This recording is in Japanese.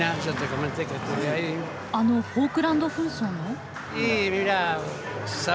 あのフォークランド紛争の？